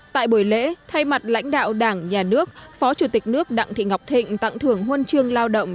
tại buổi lễ thay mặt lãnh đạo đảng nhà nước phó chủ tịch nước đặng thị ngọc thịnh tặng thưởng huân chương lao động